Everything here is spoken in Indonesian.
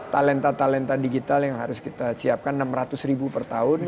talenta talenta digital yang harus kita siapkan enam ratus ribu per tahun